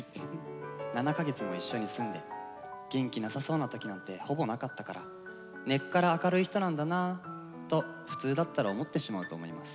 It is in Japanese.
７か月も一緒に住んで元気なさそうな時なんてほぼなかったから根っから明るい人なんだなと普通だったら思ってしまうと思います。